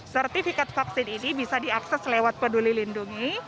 sertifikat vaksin ini bisa diakses lewat peduli lindungi